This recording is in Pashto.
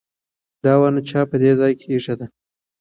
دا ونه چا په دې ځای کې ایښې ده؟